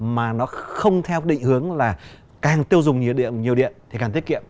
mà nó không theo định hướng là càng tiêu dùng nhiều điện thì càng tiết kiệm